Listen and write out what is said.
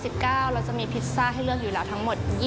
เราจะมีพิซซ่าให้เลือกอยู่แล้วทั้งหมด